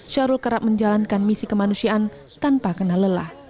syahrul kerap menjalankan misi kemanusiaan tanpa kena lelah